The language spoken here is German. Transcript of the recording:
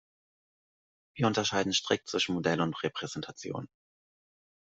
Wir unterscheiden strikt zwischen Modell und Repräsentation.